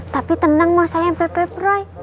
tapi tenang masayang bebe broi